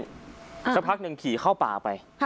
สักพักหนึ่งขี่เข้าป่าไป